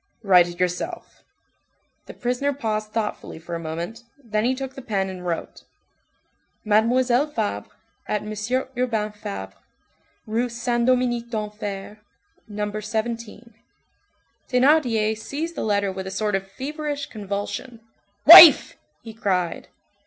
Write it yourself." The prisoner paused thoughtfully for a moment, then he took the pen and wrote:— "Mademoiselle Fabre, at M. Urbain Fabre's, Rue Saint Dominique D'Enfer, No. 17." Thénardier seized the letter with a sort of feverish convulsion. "Wife!" he cried.